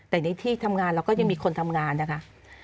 แต่ในที่ทำงานเราก็ยังมีคนทำงานนะคะ